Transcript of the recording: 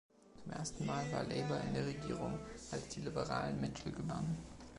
Zum ersten Mal war Labour in der Regierung, als die Liberalen Mitchell gewannen.